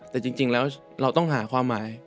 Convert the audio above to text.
แต่จริงแล้วเราต้องหาความหมาย